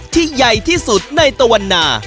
ใหญ่ที่สุดในตะวันนา